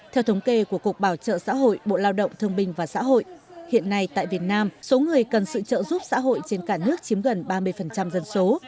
theo thống kê của cục bảo trợ xã hội bộ lao động thương bình và xã hội hiện nay tại việt nam số người cần sự trợ giúp xã hội trên cả nước chiếm gần ba mươi dân số